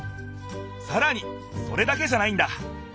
さらにそれだけじゃないんだ！